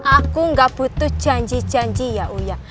aku nggak butuh janji janji ya uya